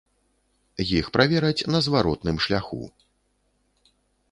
Іх правераць на зваротным шляху.